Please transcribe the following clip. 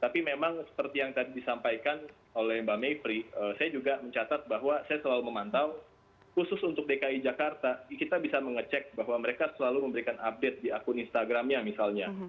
tapi memang seperti yang tadi disampaikan oleh mbak may pri saya juga mencatat bahwa saya selalu memantau khusus untuk dki jakarta kita bisa mengecek bahwa mereka selalu memberikan update di akun instagramnya misalnya